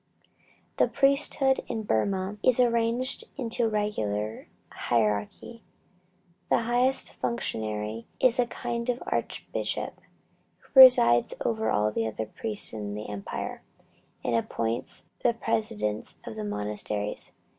The priesthood in Burmah is arranged into a regular hierarchy. The highest functionary is a kind of archbishop, who presides over all the other priests in the empire, and appoints the presidents of the monasteries.